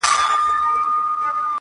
چي کوټې ته د خاوند سو ور دننه،